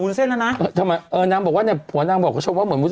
วูนเส้นแล้วนะเออน้ำบอกว่าเนี้ยผู้านางบอกกีฐ์ว่าเหมือนฮือ